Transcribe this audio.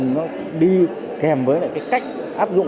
nó đi kèm với cái cách áp dụng